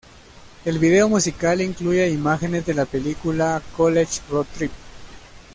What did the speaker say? El vídeo musical incluye imágenes de la película "College Road Trip".